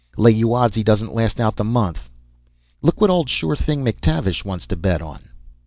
Lay you odds he doesn't last out the month.... Look what old sure thing McTavish wants to bet on!"